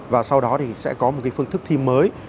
và sau đó thì sẽ có một phương thức thi mới